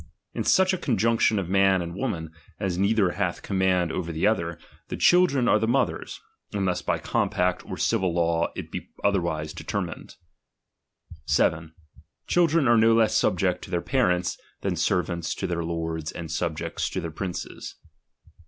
In such a conjunction of man and woman, as neither hnlh command over the other, the children are the mother's, unless by compact or civil law it be otherwise determined. 7. Chil dren are no less subject to their parents, than servants to their lords and subjects to their princes.